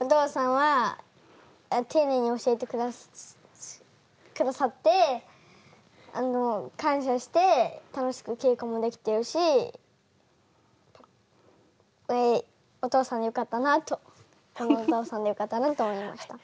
お父さんは丁寧に教えて下さって感謝して楽しく稽古もできてるしえお父さんでよかったなとこのお父さんでよかったなと思いました。